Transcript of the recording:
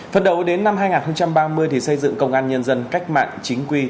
phấn đấu đến năm hai nghìn ba mươi thì xây dựng công an nhân dân cách mạng chính quyền